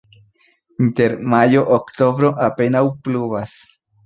Inter majo-oktobro apenaŭ pluvas.